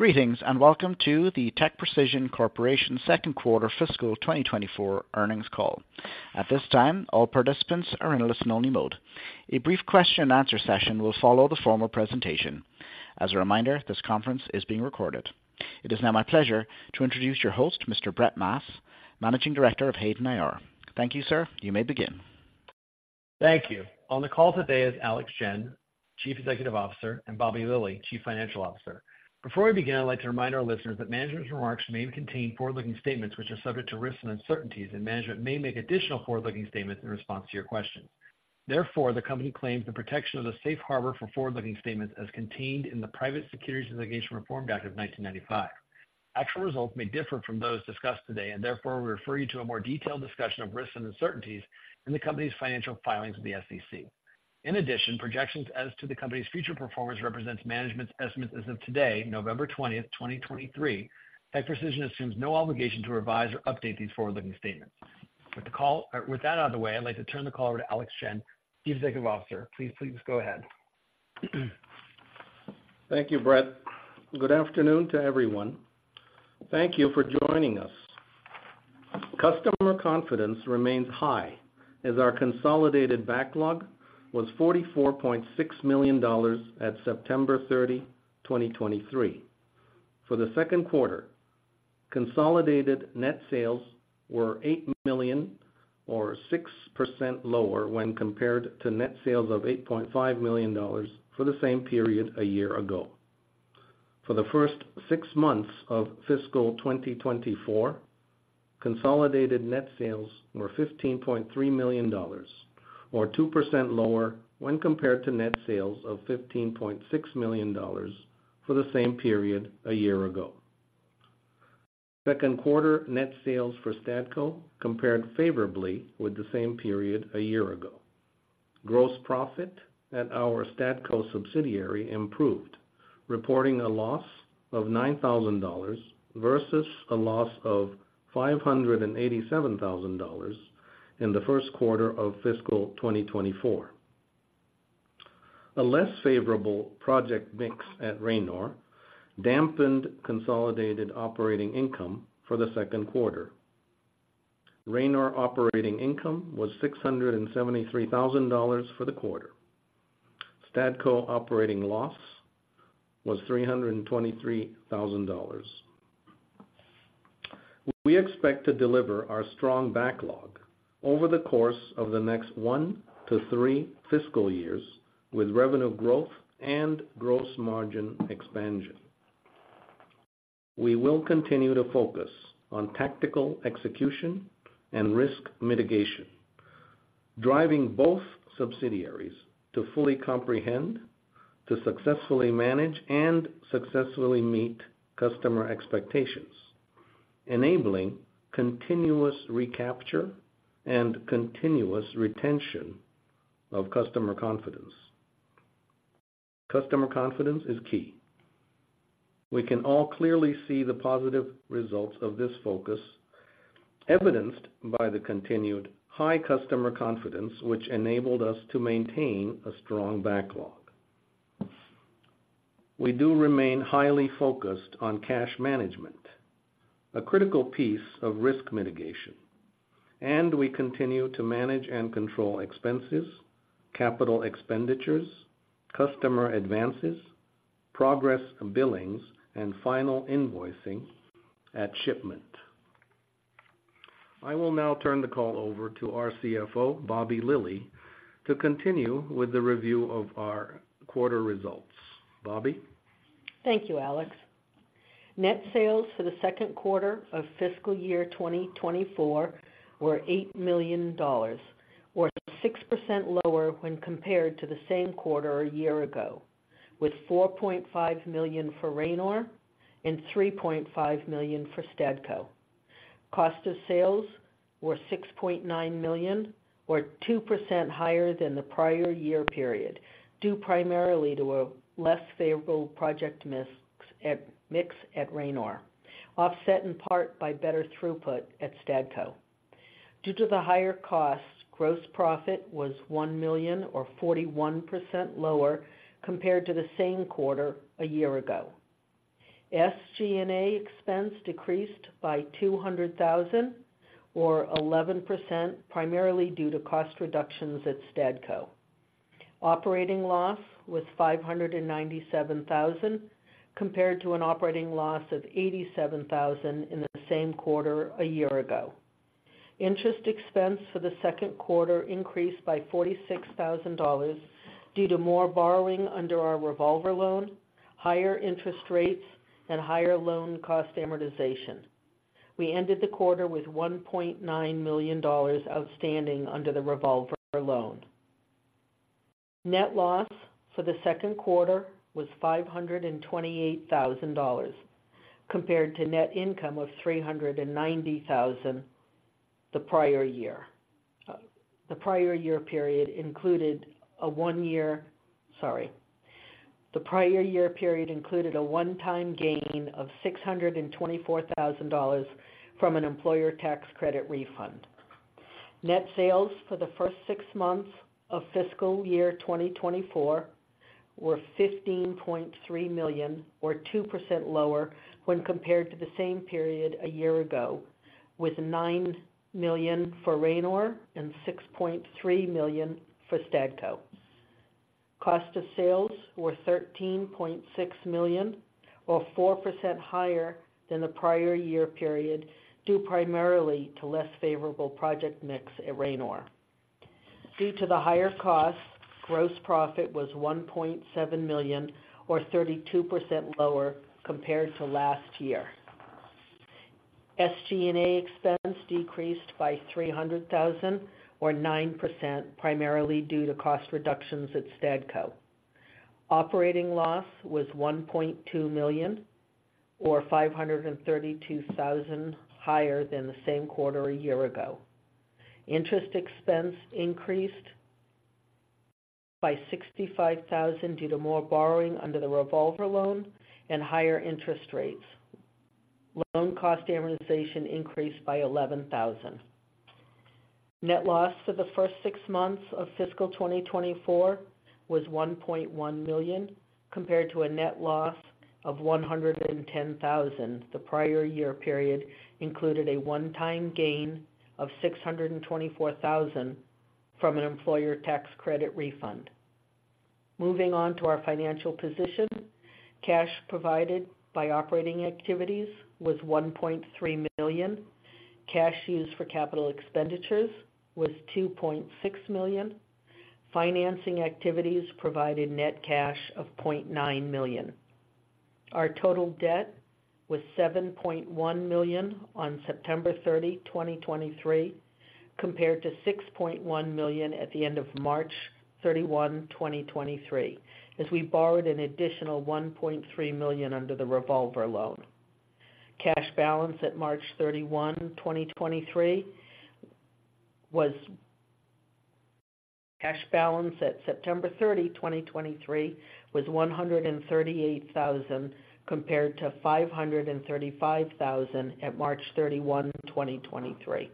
Greetings, and welcome to the TechPrecision Corporation Second Quarter Fiscal 2024 Earnings Call. At this time, all participants are in a listen-only mode. A brief question-and-answer session will follow the formal presentation. As a reminder, this conference is being recorded. It is now my pleasure to introduce your host, Mr. Brett Maas, Managing Director of Hayden IR. Thank you, sir. You may begin. Thank you. On the call today is Alex Shen, Chief Executive Officer, and Bobbie Lilley, Chief Financial Officer. Before we begin, I'd like to remind our listeners that management's remarks may contain forward-looking statements, which are subject to risks and uncertainties, and management may make additional forward-looking statements in response to your questions. Therefore, the company claims the protection of the safe harbor for forward-looking statements as contained in the Private Securities Litigation Reform Act of 1995. Actual results may differ from those discussed today, and therefore, we refer you to a more detailed discussion of risks and uncertainties in the company's financial filings with the SEC. In addition, projections as to the company's future performance represents management's estimates as of today, November twentieth, 2023. TechPrecision assumes no obligation to revise or update these forward-looking statements. With the call, with that out of the way, I'd like to turn the call over to Alex Shen, Chief Executive Officer. Please, please go ahead. Thank you, Brett. Good afternoon to everyone. Thank you for joining us. Customer confidence remains high, as our consolidated backlog was $44.6 million at September 30, 2023. For the second quarter, consolidated net sales were $8 million or 6% lower when compared to net sales of $8.5 million for the same period a year ago. For the first six months of fiscal 2024, consolidated net sales were $15.3 million, or 2% lower when compared to net sales of $15.6 million for the same period a year ago. Second quarter net sales for Stadco compared favorably with the same period a year ago. Gross profit at our Stadco subsidiary improved, reporting a loss of $9,000 versus a loss of $587,000 in the first quarter of fiscal 2024. A less favorable project mix at Ranor dampened consolidated operating income for the second quarter. Ranor operating income was $673,000 for the quarter. Stadco operating loss was $323,000. We expect to deliver our strong backlog over the course of the next 1-3 fiscal years, with revenue growth and gross margin expansion. We will continue to focus on tactical execution and risk mitigation, driving both subsidiaries to fully comprehend, to successfully manage, and successfully meet customer expectations, enabling continuous recapture and continuous retention of customer confidence. Customer confidence is key. We can all clearly see the positive results of this focus, evidenced by the continued high customer confidence, which enabled us to maintain a strong backlog. We do remain highly focused on cash management, a critical piece of risk mitigation, and we continue to manage and control expenses, capital expenditures, customer advances, progress billings, and final invoicing at shipment. I will now turn the call over to our CFO, Bobbie Lilley, to continue with the review of our quarter results. Bobbie? Thank you, Alex. Net sales for the second quarter of fiscal year 2024 were $8 million, or 6% lower when compared to the same quarter a year ago, with $4.5 million for Ranor and $3.5 million for Stadco. Cost of sales were $6.9 million, or 2% higher than the prior year period, due primarily to a less favorable project mix at Ranor, offset in part by better throughput at Stadco. Due to the higher costs, gross profit was $1 million, or 41% lower compared to the same quarter a year ago. SG&A expense decreased by $200,000, or 11%, primarily due to cost reductions at Stadco. Operating loss was $597,000, compared to an operating loss of $87,000 in the same quarter a year ago. Interest expense for the second quarter increased by $46,000 due to more borrowing under our revolver loan, higher interest rates, and higher loan cost amortization. We ended the quarter with $1.9 million outstanding under the revolver loan. Net loss for the second quarter was $528,000, compared to net income of $390,000 the prior year. The prior year period included a one-time gain of $624,000 from an employer tax credit refund. Net sales for the first six months of fiscal year 2024 were $15.3 million, or 2% lower when compared to the same period a year ago, with $9 million for Ranor and $6.3 million for Stadco. Cost of sales were $13.6 million, or 4% higher than the prior year period, due primarily to less favorable project mix at Ranor. Due to the higher costs, gross profit was $1.7 million, or 32% lower compared to last year. SG&A expense decreased by $300,000, or 9%, primarily due to cost reductions at Stadco. Operating loss was $1.2 million, or $532,000 higher than the same quarter a year ago. Interest expense increased by $65,000 due to more borrowing under the revolver loan and higher interest rates. Loan cost amortization increased by $11,000. Net loss for the first six months of fiscal 2024 was $1.1 million, compared to a net loss of $110,000. The prior year period included a one-time gain of $624,000 from an employer tax credit refund. Moving on to our financial position. Cash provided by operating activities was $1.3 million. Cash used for capital expenditures was $2.6 million. Financing activities provided net cash of $0.9 million. Our total debt was $7.1 million on September 30, 2023, compared to $6.1 million at the end of March 31, 2023, as we borrowed an additional $1.3 million under the revolver loan. Cash balance at September 30, 2023, was $138,000, compared to $535,000 at March 31, 2023.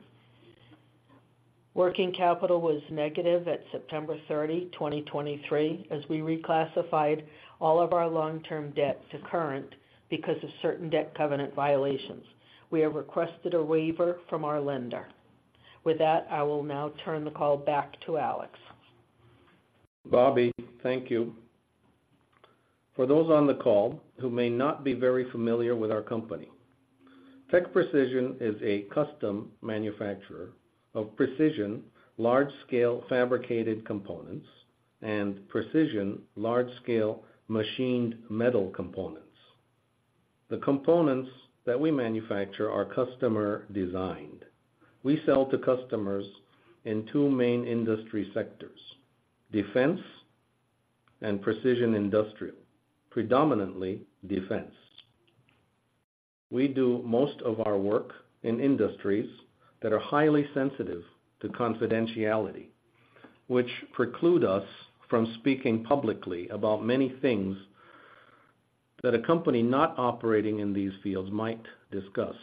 Working capital was negative at September 30, 2023, as we reclassified all of our long-term debt to current because of certain Debt Covenant Violations. We have requested a waiver from our lender. With that, I will now turn the call back to Alex. Bobbie, thank you. For those on the call who may not be very familiar with our company, TechPrecision is a custom manufacturer of precision, large-scale fabricated components and precision, large-scale machined metal components. The components that we manufacture are customer-designed. We sell to customers in two main industry sectors, defense and precision industrial, predominantly defense. We do most of our work in industries that are highly sensitive to confidentiality, which preclude us from speaking publicly about many things that a company not operating in these fields might discuss.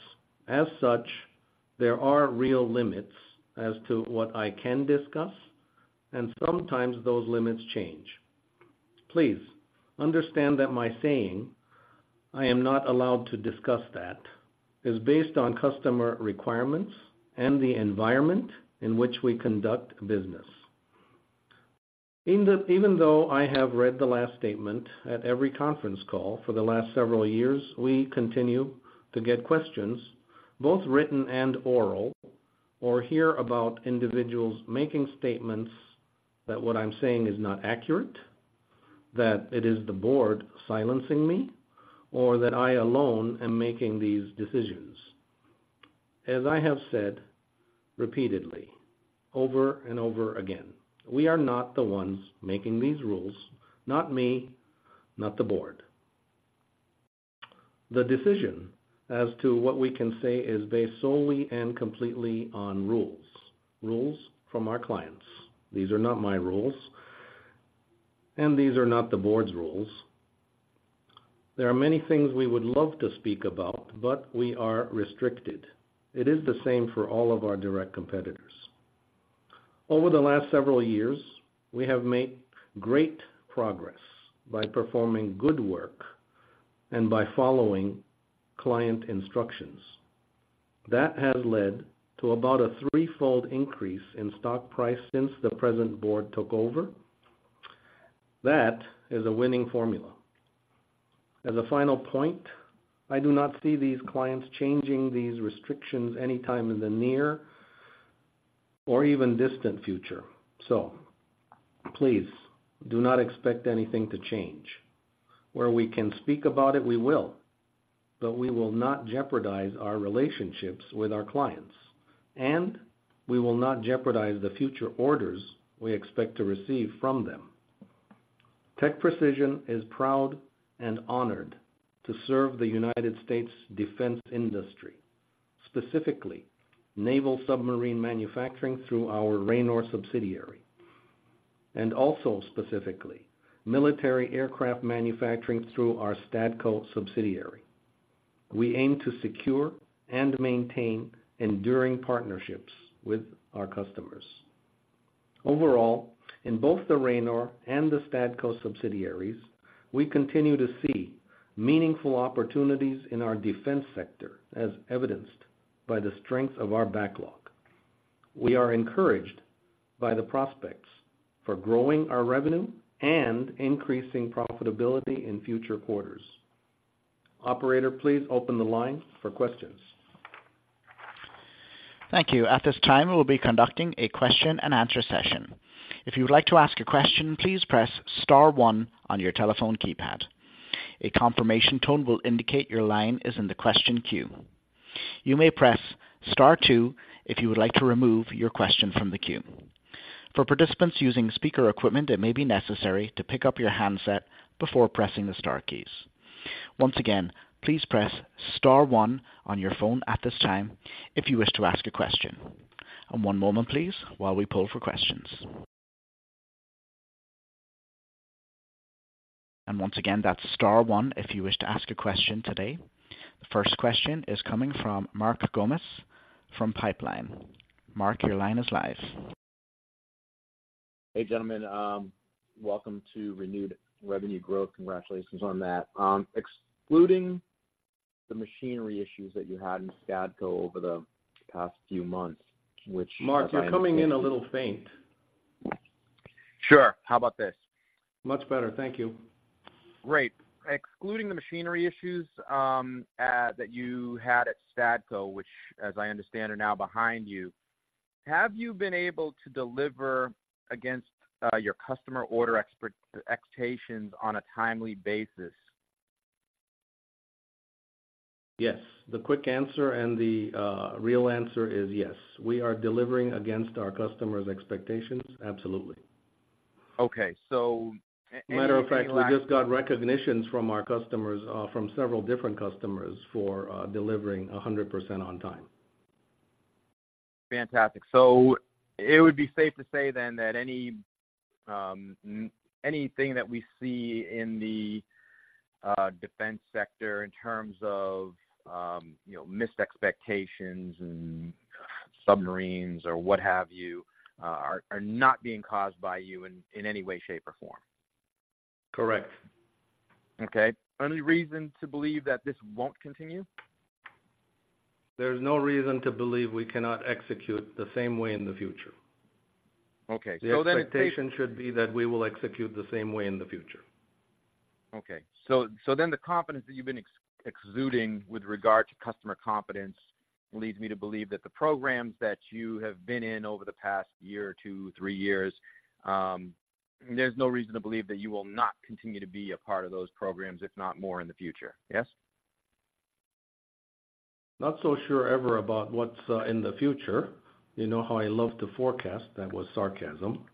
As such, there are real limits as to what I can discuss, and sometimes those limits change. Please understand that my saying, "I am not allowed to discuss that," is based on customer requirements and the environment in which we conduct business. Even, even though I have read the last statement at every conference call for the last several years, we continue to get questions, both written and oral, or hear about individuals making statements that what I'm saying is not accurate, that it is the board silencing me, or that I alone am making these decisions. As I have said repeatedly, over and over again, we are not the ones making these rules, not me, not the board. The decision as to what we can say is based solely and completely on rules, rules from our clients. These are not my rules, and these are not the board's rules. There are many things we would love to speak about, but we are restricted. It is the same for all of our direct competitors. Over the last several years, we have made great progress by performing good work and by following client instructions. That has led to about a threefold increase in stock price since the present board took over. That is a winning formula. As a final point, I do not see these clients changing these restrictions anytime in the near or even distant future. Please do not expect anything to change. Where we can speak about it, we will, but we will not jeopardize our relationships with our clients, and we will not jeopardize the future orders we expect to receive from them. TechPrecision is proud and honored to serve the United States defense industry, specifically naval submarine manufacturing, through our Ranor subsidiary... and also specifically, military aircraft manufacturing through our Stadco subsidiary. We aim to secure and maintain enduring partnerships with our customers. Overall, in both the Ranor and the Stadco subsidiaries, we continue to see meaningful opportunities in our defense sector, as evidenced by the strength of our backlog. We are encouraged by the prospects for growing our revenue and increasing profitability in future quarters. Operator, please open the line for questions. Thank you. At this time, we'll be conducting a question-and-answer session. If you would like to ask a question, please press star one on your telephone keypad. A confirmation tone will indicate your line is in the question queue. You may press star two if you would like to remove your question from the queue. For participants using speaker equipment, it may be necessary to pick up your handset before pressing the star keys. Once again, please press star one on your phone at this time if you wish to ask a question. One moment, please, while we pull for questions. Once again, that's star one if you wish to ask a question today. The first question is coming from Mark Gomes from Pipeline. Mark, your line is live. Hey, gentlemen. Welcome to Renewed Revenue Growth. Congratulations on that. Excluding the machinery issues that you had in Stadco over the past few months, which- Mark, you're coming in a little faint. Sure. How about this? Much better. Thank you. Great. Excluding the machinery issues that you had at Stadco, which, as I understand, are now behind you, have you been able to deliver against your customer order expectations on a timely basis? Yes, the quick answer and the real answer is yes. We are delivering against our customers' expectations. Absolutely. Okay. So- Matter of fact, we just got recognitions from our customers, from several different customers for delivering 100% on time. Fantastic. So it would be safe to say then that any anything that we see in the defense sector in terms of, you know, missed expectations and submarines or what have you are not being caused by you in any way, shape, or form? Correct. Okay. Any reason to believe that this won't continue? There's no reason to believe we cannot execute the same way in the future. Okay. So then- The expectation should be that we will execute the same way in the future. Okay. So then the confidence that you've been exuding with regard to customer confidence leads me to believe that the programs that you have been in over the past year or two, three years, there's no reason to believe that you will not continue to be a part of those programs, if not more in the future. Yes? Not so sure ever about what's in the future. You know how I love to forecast. That was sarcasm.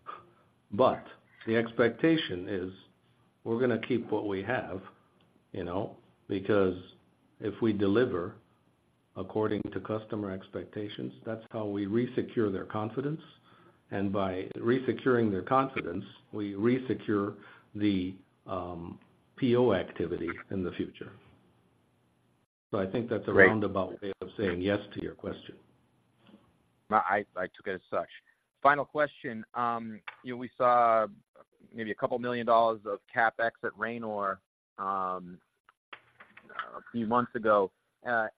But the expectation is we're gonna keep what we have, you know, because if we deliver according to customer expectations, that's how we resecure their confidence, and by resecuring their confidence, we resecure the PO activity in the future. So I think that's a roundabout way of saying yes to your question. I took it as such. Final question. We saw maybe $2 million of CapEx at Ranor, a few months ago.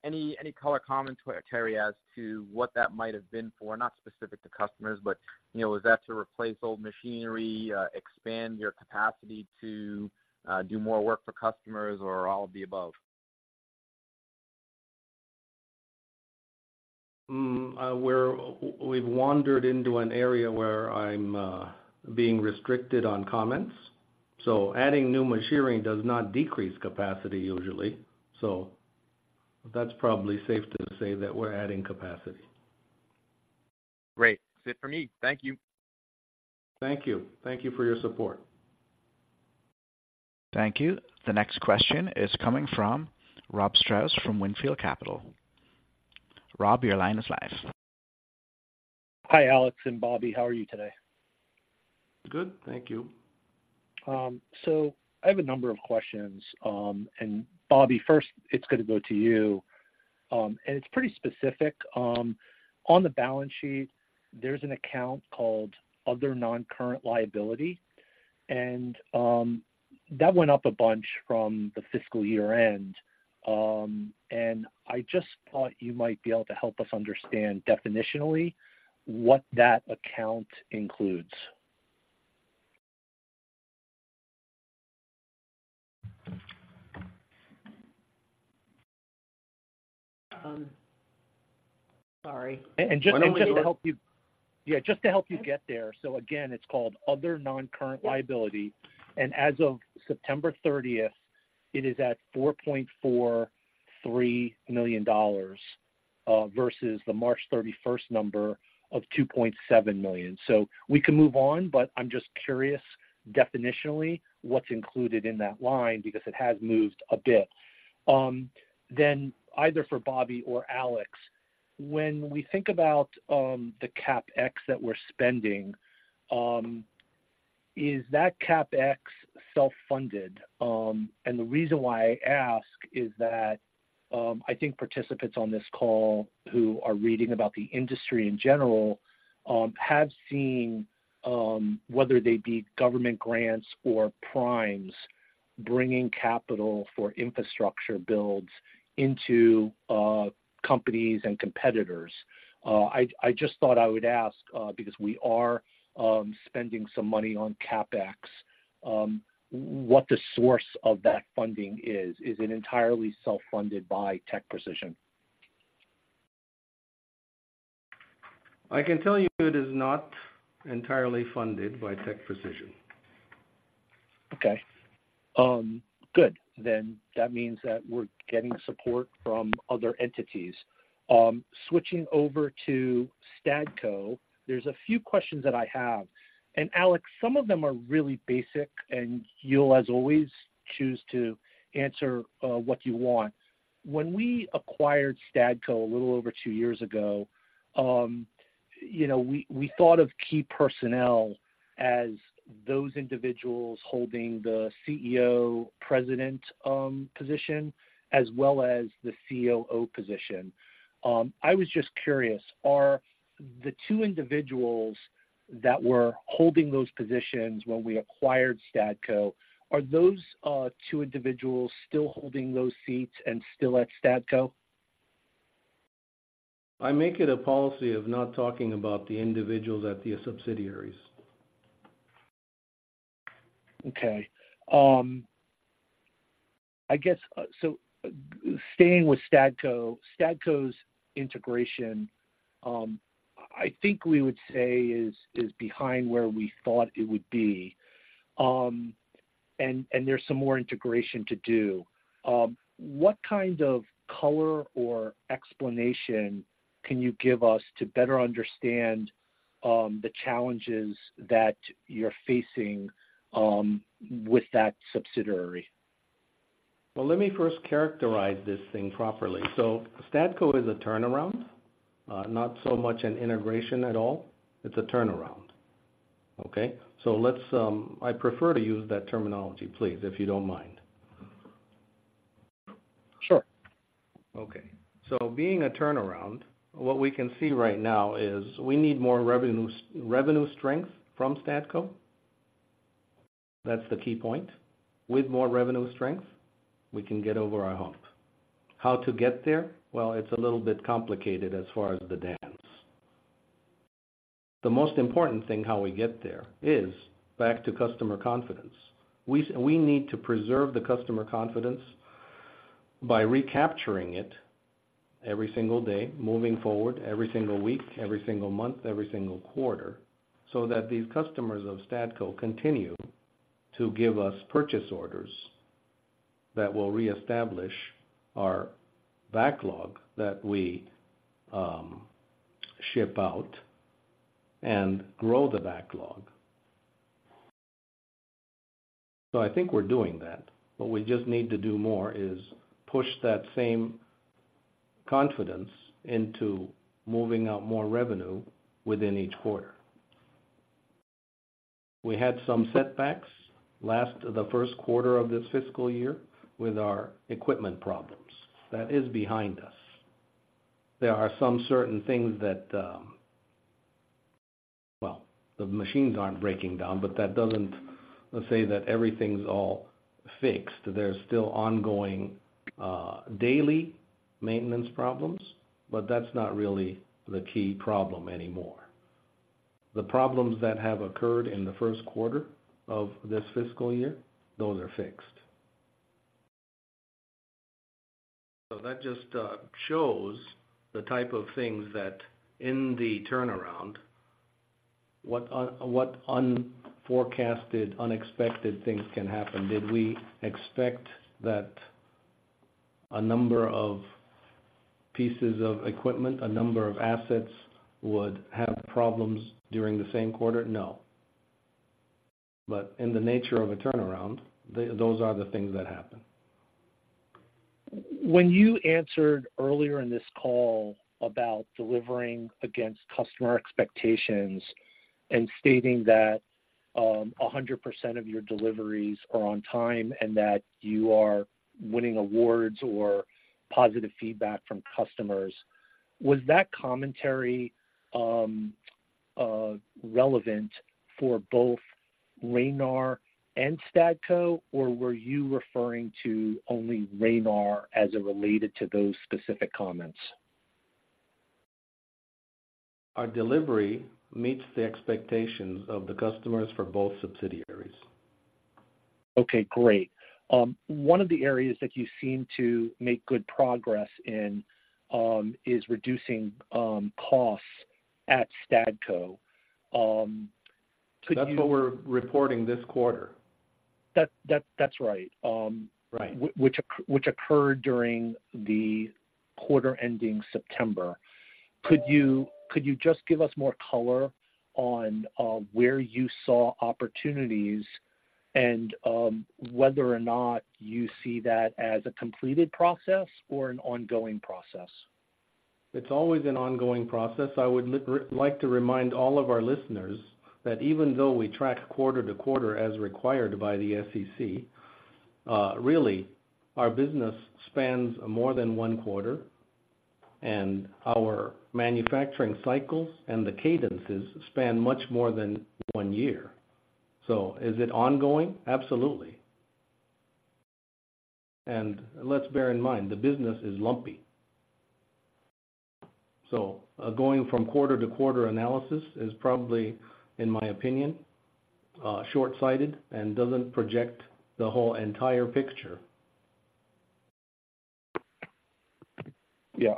Any color commentary as to what that might have been for? Not specific to customers, but, you know, was that to replace old machinery, expand your capacity to do more work for customers, or all of the above? We've wandered into an area where I'm being restricted on comments, so adding new machining does not decrease capacity usually. So that's probably safe to say that we're adding capacity. Great. That's it for me. Thank you. Thank you. Thank you for your support. Thank you. The next question is coming from Rob Straus from Wynnefield Capital. Rob, your line is live. Hi, Alex and Bobbie. How are you today? Good. Thank you. So I have a number of questions, and Bobbie, first, it's gonna go to you, and it's pretty specific. On the balance sheet, there's an account called other non-current liability, and that went up a bunch from the fiscal year-end. And I just thought you might be able to help us understand definitionally what that account includes. Um, sorry. Just to help you get there. So again, it's called other non-current liability, and as of September thirtieth, it is at $4.43 million, versus the March thirty-first number of $2.7 million. So we can move on, but I'm just curious, definitionally, what's included in that line because it has moved a bit. Then either for Bobbie or Alex, when we think about the CapEx that we're spending, is that CapEx self-funded? And the reason why I ask is that I think participants on this call who are reading about the industry in general have seen whether they be government grants or primes, bringing capital for infrastructure builds into companies and competitors. I just thought I would ask, because we are spending some money on CapEx, what the source of that funding is. Is it entirely self-funded by TechPrecision? I can tell you it is not entirely funded by TechPrecision. Okay. Good. Then that means that we're getting support from other entities. Switching over to Stadco, there's a few questions that I have, and Alex, some of them are really basic, and you'll, as always, choose to answer what you want. When we acquired Stadco a little over two years ago, you know, we, we thought of key personnel as those individuals holding the CEO, President, position, as well as the COO position. I was just curious, are the two individuals that were holding those positions when we acquired Stadco, are those two individuals still holding those seats and still at Stadco? I make it a policy of not talking about the individuals at the subsidiaries. Okay. I guess, so staying with Stadco, Stadco's integration, I think we would say is behind where we thought it would be. And there's some more integration to do. What kind of color or explanation can you give us to better understand the challenges that you're facing with that subsidiary? Well, let me first characterize this thing properly. So Stadco is a turnaround, not so much an integration at all. It's a turnaround, okay? So let's, I prefer to use that terminology, please, if you don't mind. Sure. Okay. So being a turnaround, what we can see right now is we need more revenue, revenue strength from Stadco. That's the key point. With more revenue strength, we can get over our hump. How to get there? Well, it's a little bit complicated as far as the dance. The most important thing, how we get there, is back to customer confidence. We need to preserve the customer confidence by recapturing it every single day, moving forward, every single week, every single month, every single quarter, so that these customers of Stadco continue to give us purchase orders that will reestablish our backlog, that we ship out and grow the backlog. So I think we're doing that, but we just need to do more, is push that same confidence into moving out more revenue within each quarter. We had some setbacks in the first quarter of this fiscal year with our equipment problems. That is behind us. There are some certain things that, well, the machines aren't breaking down, but that doesn't say that everything's all fixed. There's still ongoing daily maintenance problems, but that's not really the key problem anymore. The problems that have occurred in the first quarter of this fiscal year, those are fixed. So that just shows the type of things that in the turnaround, what unforecasted, unexpected things can happen. Did we expect that a number of pieces of equipment, a number of assets, would have problems during the same quarter? No. But in the nature of a turnaround, those are the things that happen. When you answered earlier in this call about delivering against customer expectations and stating that 100% of your deliveries are on time, and that you are winning awards or positive feedback from customers, was that commentary relevant for both Ranor and Stadco, or were you referring to only Ranor as it related to those specific comments? Our delivery meets the expectations of the customers for both subsidiaries. Okay, great. One of the areas that you seem to make good progress in is reducing costs at Stadco. Could you- That's what we're reporting this quarter. That's right. Right. Which occurred during the quarter ending September. Could you just give us more color on where you saw opportunities... And whether or not you see that as a completed process or an ongoing process? It's always an ongoing process. I would like to remind all of our listeners that even though we track quarter to quarter as required by the SEC, really, our business spans more than one quarter, and our manufacturing cycles and the cadences span much more than one year. So is it ongoing? Absolutely. Let's bear in mind, the business is lumpy. Going from quarter to quarter analysis is probably, in my opinion, shortsighted and doesn't project the whole entire picture. Yeah,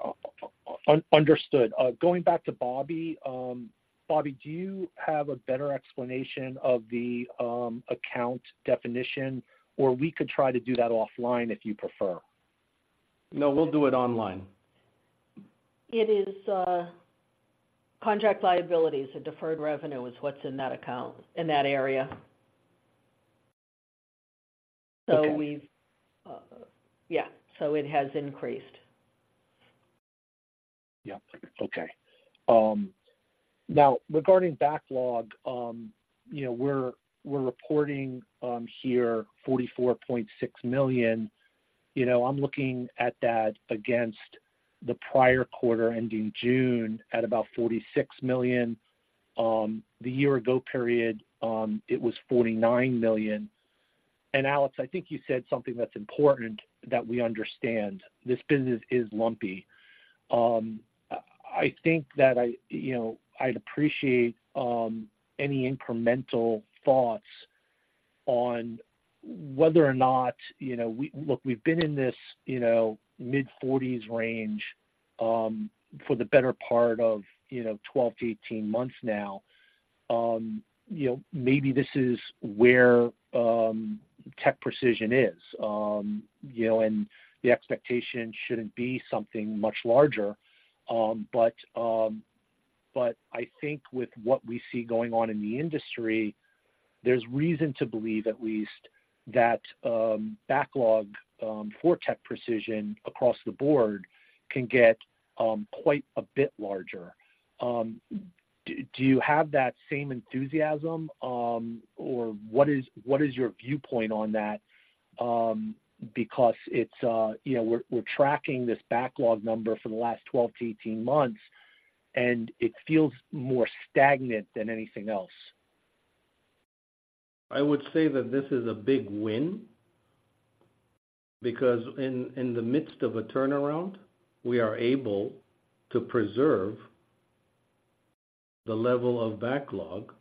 understood. Going back to Bobbie. Bobbie, do you have a better explanation of the account definition, or we could try to do that offline, if you prefer? No, we'll do it online. It is, contract liabilities and deferred revenue is what's in that account, in that area. Okay. So we've. Yeah, so it has increased. Yep. Okay. Now, regarding backlog, you know, we're reporting here $44.6 million. You know, I'm looking at that against the prior quarter ending June at about $46 million. The year ago period, it was $49 million. And Alex, I think you said something that's important that we understand, this business is lumpy. I think, you know, I'd appreciate any incremental thoughts on whether or not, you know, we look, we've been in this, you know, mid-40s range, for the better part of, you know, 12-18 months now. You know, maybe this is where TechPrecision is, you know, and the expectation shouldn't be something much larger. But I think with what we see going on in the industry, there's reason to believe at least that backlog for TechPrecision across the board can get quite a bit larger. Do you have that same enthusiasm, or what is your viewpoint on that? Because it's, you know, we're tracking this backlog number for the last 12-18 months, and it feels more stagnant than anything else. I would say that this is a big win, because in the midst of a turnaround, we are able to preserve the level of backlog,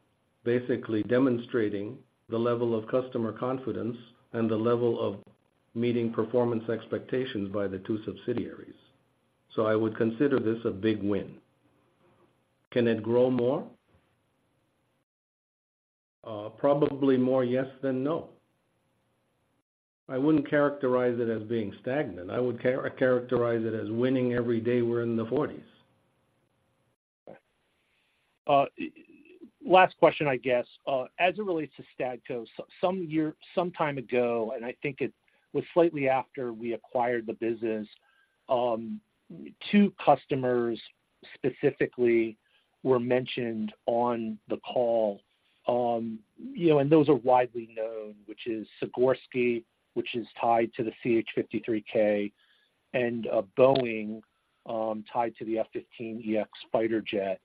basically demonstrating the level of customer confidence and the level of meeting performance expectations by the two subsidiaries. So I would consider this a big win. Can it grow more? Probably more yes, than no. I wouldn't characterize it as being stagnant. I would characterize it as winning every day we're in the 40s. Last question, I guess. As it relates to Stadco, some time ago, and I think it was slightly after we acquired the business, two customers specifically were mentioned on the call. You know, and those are widely known, which is Sikorsky, which is tied to the CH-53K, and Boeing, tied to the F-15EX fighter jet.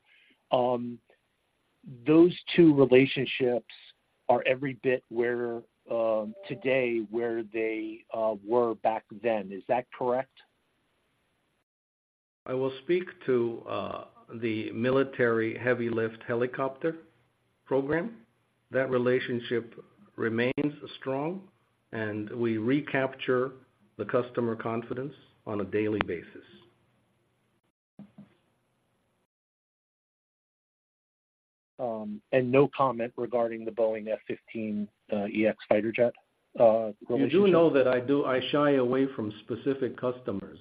Those two relationships are every bit where today where they were back then. Is that correct? I will speak to the military heavy lift helicopter program. That relationship remains strong, and we recapture the customer confidence on a daily basis. No comment regarding the Boeing F-15EX fighter jet relationship? You do know that I shy away from specific customers,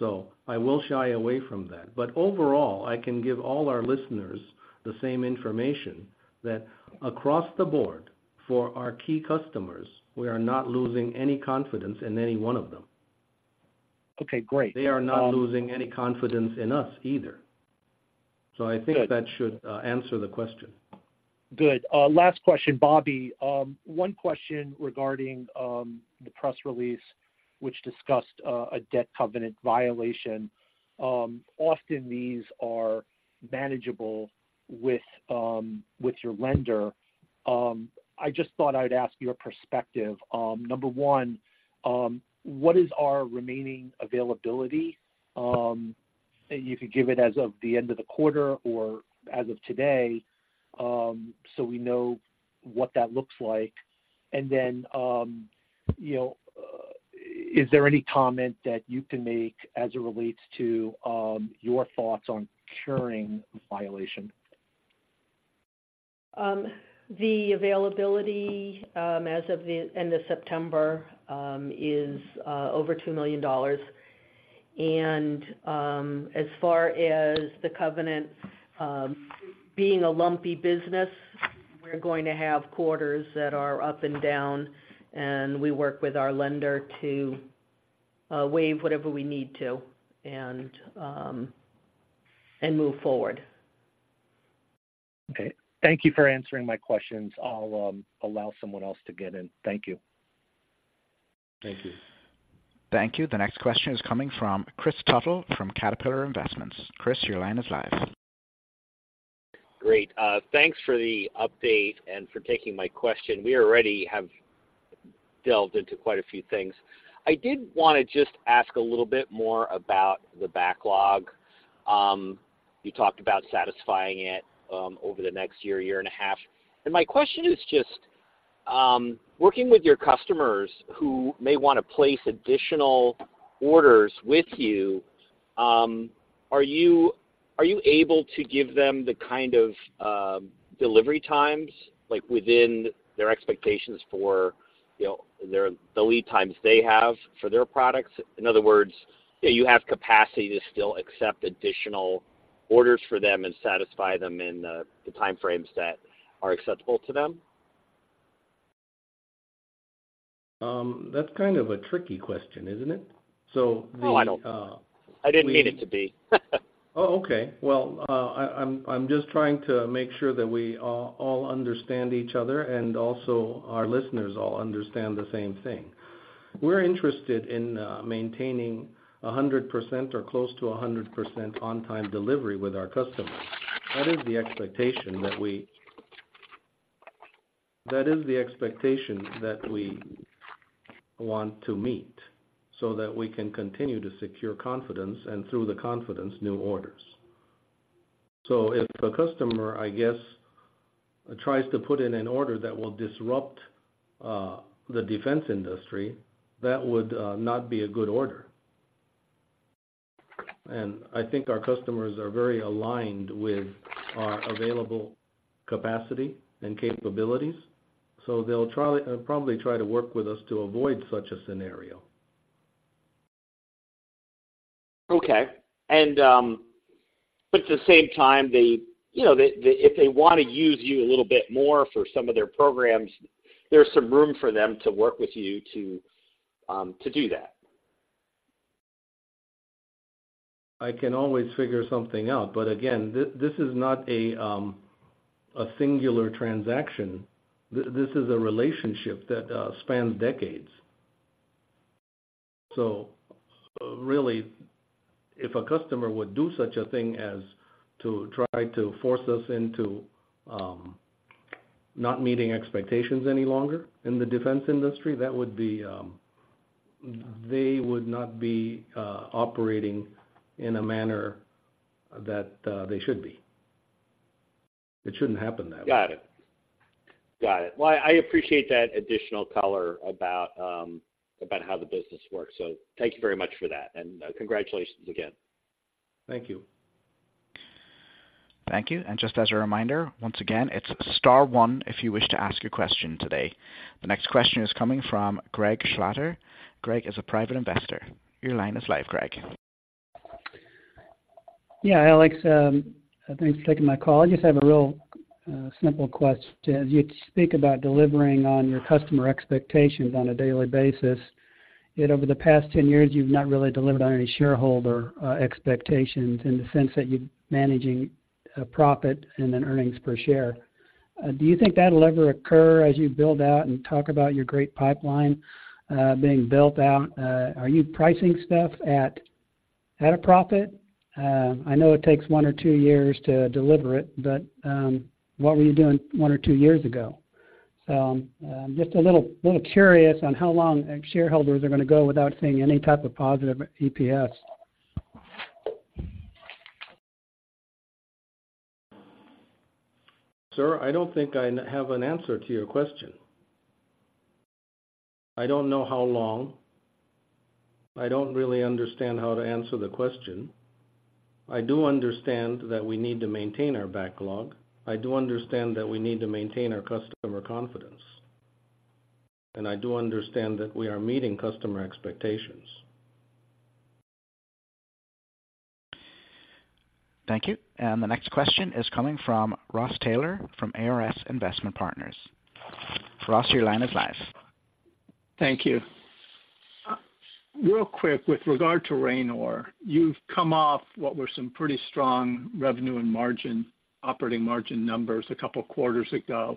so I will shy away from that. But overall, I can give all our listeners the same information, that across the board, for our key customers, we are not losing any confidence in any one of them. Okay, great, They are not losing any confidence in us either. Good. So I think that should answer the question. Good. Last question. Bobbie, one question regarding the press release, which discussed a debt covenant violation. Often these are manageable with your lender. I just thought I'd ask your perspective. Number one, what is our remaining availability? You could give it as of the end of the quarter or as of today, so we know what that looks like. And then, you know, is there any comment that you can make as it relates to your thoughts on curing the violation? The availability, as of the end of September, is over $2 million. And, as far as the covenant, being a lumpy business, we're going to have quarters that are up and down, and we work with our lender to waive whatever we need to, and move forward. Okay. Thank you for answering my questions. I'll allow someone else to get in. Thank you. Thank you. Thank you. The next question is coming from Kris Tuttle from Caterpillar Investments. Kris, your line is live. Great. Thanks for the update and for taking my question. We already have delved into quite a few things. I did wanna just ask a little bit more about the backlog. You talked about satisfying it over the next year, year and a half. And my question is just, working with your customers who may wanna place additional orders with you, are you, are you able to give them the kind of delivery times, like, within their expectations for, you know, their, the lead times they have for their products? In other words, that you have capacity to still accept additional orders for them and satisfy them in the time frames that are acceptable to them. That's kind of a tricky question, isn't it? So the- Oh, I don't, I didn't mean it to be. Oh, okay. Well, I'm just trying to make sure that we all understand each other and also our listeners all understand the same thing. We're interested in maintaining 100% or close to 100% on-time delivery with our customers. That is the expectation that we want to meet, so that we can continue to secure confidence, and through the confidence, new orders. So if a customer, I guess, tries to put in an order that will disrupt the defense industry, that would not be a good order. And I think our customers are very aligned with our available capacity and capabilities, so they'll probably try to work with us to avoid such a scenario. Okay. But at the same time, they, you know, if they wanna use you a little bit more for some of their programs, there's some room for them to work with you to do that? I can always figure something out. But again, this is not a singular transaction. This is a relationship that spans decades. So really, if a customer would do such a thing as to try to force us into not meeting expectations any longer in the defense industry, that would be, they would not be operating in a manner that they should be. It shouldn't happen that way. Got it. Got it. Well, I appreciate that additional color about how the business works. So thank you very much for that, and congratulations again. Thank you. Thank you. Just as a reminder, once again, it's star one if you wish to ask a question today. The next question is coming from Greg Schlatter. Greg is a private investor. Your line is live, Greg. Yeah, Alex, thanks for taking my call. I just have a real simple question. You speak about delivering on your customer expectations on a daily basis, yet over the past 10 years, you've not really delivered on any shareholder expectations in the sense that you're managing a profit and an earnings per share. Do you think that'll ever occur as you build out and talk about your great pipeline being built out? Are you pricing stuff at a profit? I know it takes one or two years to deliver it, but what were you doing one or three years ago? So, just a little curious on how long shareholders are gonna go without seeing any type of positive EPS? Sir, I don't think I have an answer to your question. I don't know how long. I don't really understand how to answer the question. I do understand that we need to maintain our backlog. I do understand that we need to maintain our customer confidence, and I do understand that we are meeting customer expectations. Thank you. The next question is coming from Ross Taylor, from ARS Investment Partners. Ross, your line is live. Thank you. Real quick, with regard to Ranor, you've come off what were some pretty strong revenue and margin, operating margin numbers a couple quarters ago.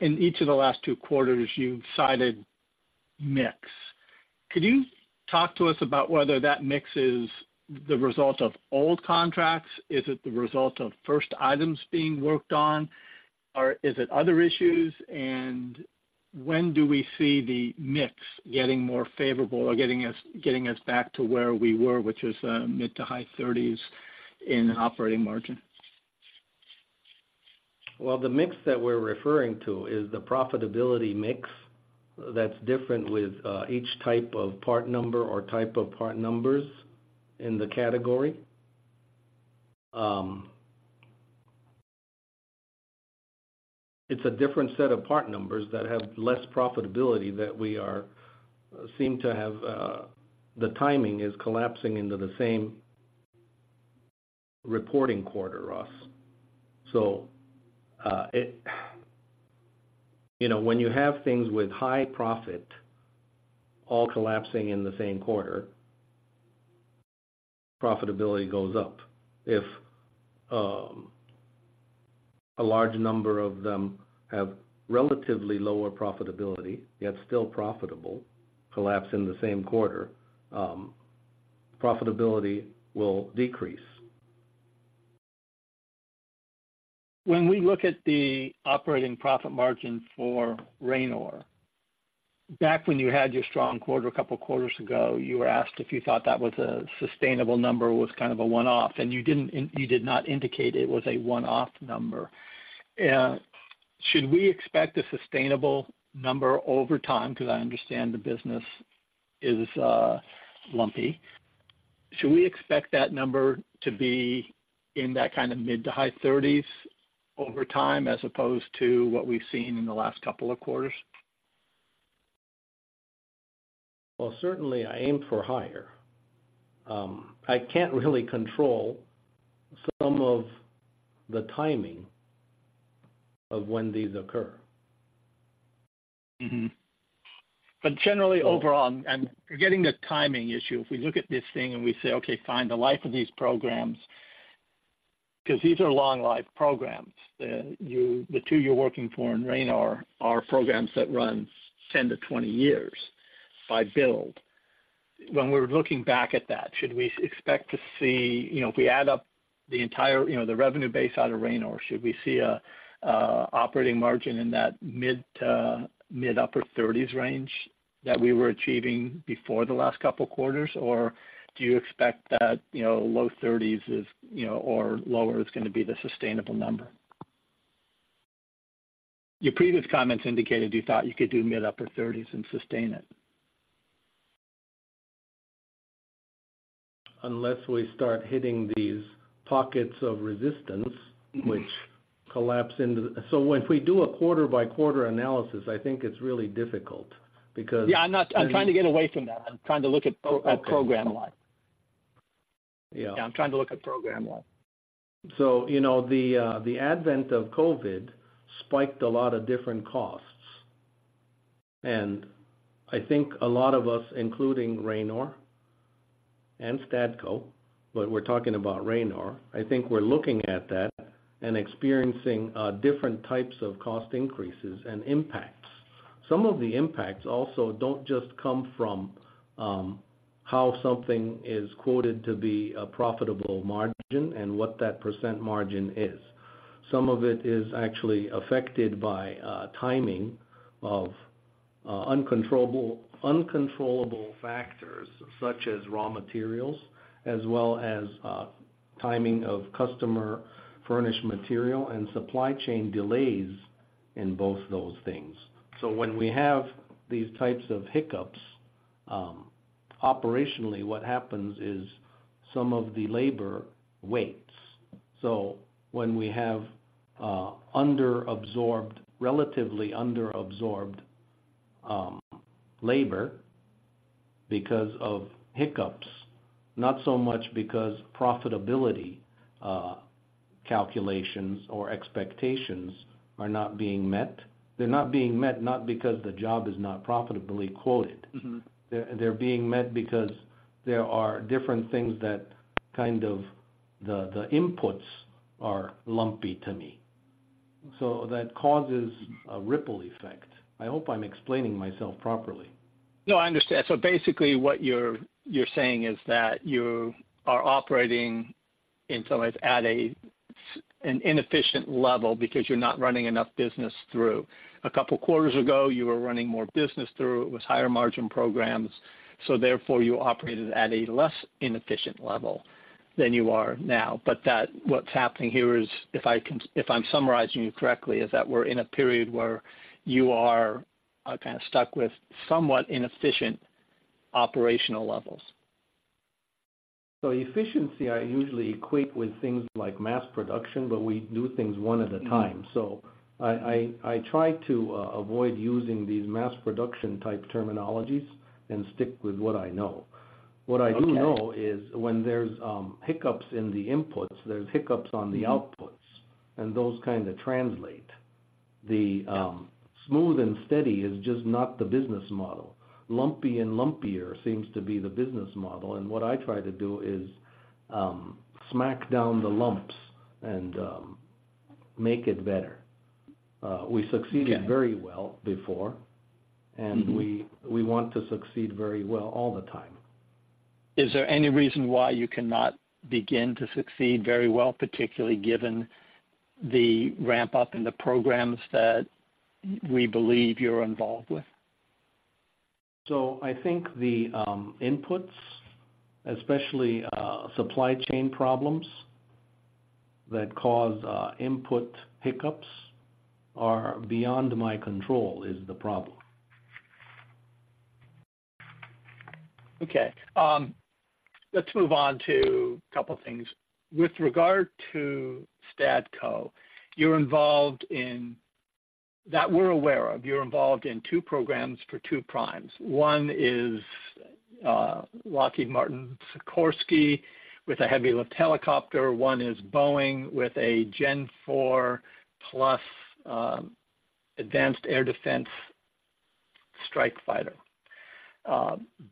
In each of the last two quarters, you've cited mix. Could you talk to us about whether that mix is the result of old contracts? Is it the result of first items being worked on, or is it other issues? And when do we see the mix getting more favorable or getting us, getting us back to where we were, which is, mid- to high-30s% operating margin? Well, the mix that we're referring to is the profitability mix that's different with each type of part number or type of part numbers in the category. It's a different set of part numbers that have less profitability that we seem to have the timing is collapsing into the same reporting quarter, Ross. So, it. You know, when you have things with high profit all collapsing in the same quarter, profitability goes up. If a large number of them have relatively lower profitability, yet still profitable, collapse in the same quarter, profitability will decrease. When we look at the operating profit margin for Ranor, back when you had your strong quarter, a couple of quarters ago, you were asked if you thought that was a sustainable number or was kind of a one-off, and you didn't, you did not indicate it was a one-off number. Should we expect a sustainable number over time? Because I understand the business is lumpy. Should we expect that number to be in that kind of mid- to high 30s over time, as opposed to what we've seen in the last couple of quarters? Well, certainly I aim for higher. I can't really control some of the timing of when these occur. Mm-hmm. But generally, overall, and forgetting the timing issue, if we look at this thing and we say, okay, fine, the life of these programs, because these are long life programs. The two you're working for in Ranor are programs that run 10-20 years by build. When we're looking back at that, should we expect to see... You know, if we add up the entire, you know, the revenue base out of Ranor, should we see a operating margin in that mid- to mid-upper 30s range that we were achieving before the last couple of quarters? Or do you expect that, you know, low 30s is, you know, or lower, is gonna be the sustainable number? Your previous comments indicated you thought you could do mid-upper 30s and sustain it. Unless we start hitting these pockets of resistance- Mm-hmm. -which collapse into the... So if we do a quarter by quarter analysis, I think it's really difficult because- Yeah, I'm not, I'm trying to get away from that. I'm trying to look at pro- Okay. At program wide. Yeah. I'm trying to look at program wide. So, you know, the advent of COVID spiked a lot of different costs. And I think a lot of us, including Ranor and Stadco, but we're talking about Ranor. I think we're looking at that and experiencing different types of cost increases and impacts. Some of the impacts also don't just come from how something is quoted to be a profitable margin and what that percent margin is. Some of it is actually affected by timing of uncontrollable factors such as raw materials, as well as timing of customer furnished material and supply chain delays in both those things. So when we have these types of hiccups, operationally what happens is some of the labor waits. So when we have underabsorbed, relatively underabsorbed, labor because of hiccups, not so much because profitability calculations or expectations are not being met. They're not being met, not because the job is not profitably quoted. Mm-hmm. They're being met because there are different things that kind of, the inputs are lumpy to me, so that causes a ripple effect. I hope I'm explaining myself properly. No, I understand. So basically, what you're, you're saying is that you are operating in some ways at a, an inefficient level because you're not running enough business through. A couple quarters ago, you were running more business through, it was higher margin programs, so therefore, you operated at a less inefficient level than you are now. But that, what's happening here is, if I can—if I'm summarizing you correctly, is that we're in a period where you are, kind of stuck with somewhat inefficient operational levels. Efficiency, I usually equate with things like mass production, but we do things one at a time. Mm-hmm. So I try to avoid using these mass production type terminologies and stick with what I know. Okay. What I do know is when there's hiccups in the inputs, there's hiccups on the outputs, and those kind of translate. Mm-hmm. The smooth and steady is just not the business model. Lumpy and lumpier seems to be the business model, and what I try to do is smack down the lumps and make it better. We succeeded- Okay. Very well before. Mm-hmm. and we want to succeed very well all the time. Is there any reason why you cannot begin to succeed very well, particularly given the ramp up in the programs that we believe you're involved with? So I think the inputs, especially, supply chain problems that cause input hiccups, are beyond my control is the problem. Okay, let's move on to a couple things. With regard to Stadco, you're involved in, that we're aware of, you're involved in two programs for two primes. One is Lockheed Martin Sikorsky, with a heavy lift helicopter. One is Boeing, with a Gen Four Plus advanced air defense strike fighter.